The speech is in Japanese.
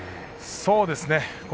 そうですね。